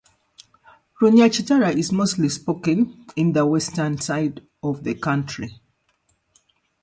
She is of course counting on him being killed.